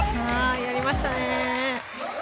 やりましたね。